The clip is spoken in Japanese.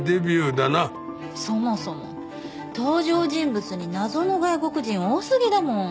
そもそも登場人物に謎の外国人多すぎだもん。